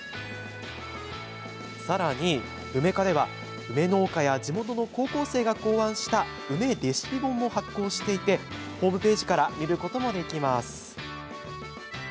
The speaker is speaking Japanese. さらに、うめ課では梅農家や地元の高校生が考案した梅レシピ本も発行していてホームページから見ることもできます。